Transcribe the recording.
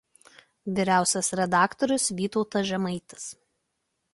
Vyriausias redaktorius Vytautas Žemaitis.